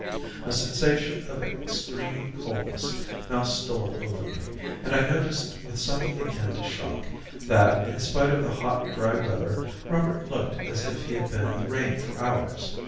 A sensation of extreme coldness now stole over me, and I noticed with something akin to a shock that, in spite of the hot, dry weather, Robert looked as if he had been in the rain for hours.